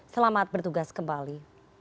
selamat bertugas kembali